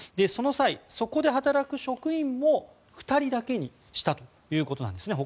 その際、そこで働く職員も２人だけにしたということです。